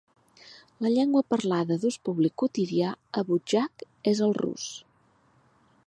La llengua parlada d'ús públic quotidià a Budjak és el rus.